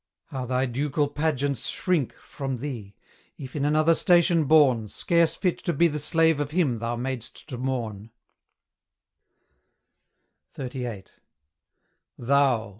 how thy ducal pageants shrink From thee! if in another station born, Scarce fit to be the slave of him thou mad'st to mourn: XXXVIII. THOU!